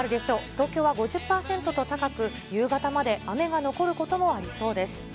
東京は５０％と高く、夕方まで雨が残ることもありそうです。